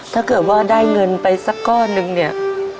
ถ้าเกิดว่าได้เงินไปสักก้อนนึงเนี่ย